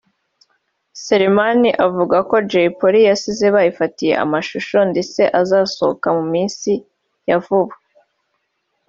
Selemani avuga ko Jay Polly yasize bayifatiye amashusho ndetse azasohoka mu minsi ya vuba